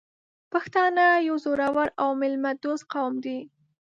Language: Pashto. پښتانه یو زړور او میلمه دوست قوم دی .